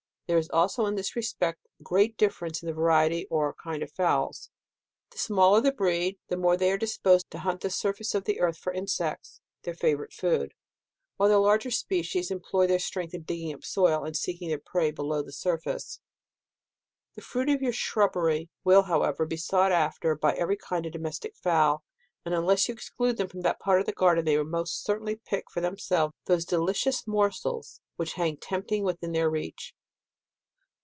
There is also in this respect, great difference in the variety or kind of fowls. The smaller the breed, the more they are disposed to hunt the surface of the earth for insects, their fa vourite food ; while the larger species em ploy their strength in digging up the soil, and seeking their prey below the surface. The fruit of your shrubbery will, however, be sought after by every kind of domestic fowl, and unless you exclude them from that part of the garden, they will most certainly pick for themselves those delicious morsels which hang tempting within their reach.